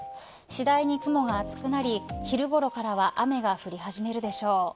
次第に雲が厚くなり昼ごろからは雨が降り始めるでしょう。